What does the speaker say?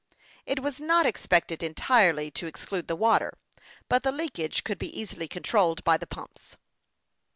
It was not expected entirely to exclude the water ; but the leakage could be easily controlled by the pumps.